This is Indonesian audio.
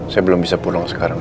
saya belum bisa pulang sekarang